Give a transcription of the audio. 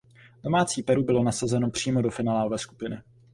Domácí Peru bylo nasazeno přímo do finálové skupiny.